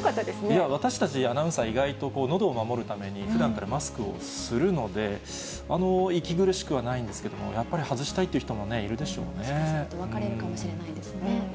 いや、私たちアナウンサー、意外と、のどを守るためにふだんからマスクをするので、息苦しくはないんですけど、やっぱり外したいという人もいる分かれるかもしれないですね。